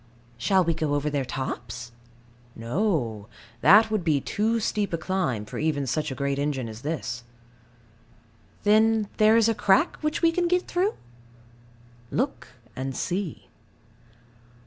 Shall we go over their tops? No. That would be too steep a climb, for even such a great engine as this. Then there is a crack which we can get through? Look and see.